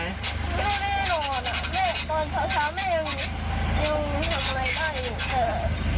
แม่ไม่ได้นอนตอนเช้าแม่ยังทำอะไรได้อยู่